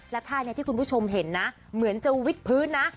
และท่านี้ที่คุณผู้ชมเห็นนะเหมือนจะวิดพื้นนะ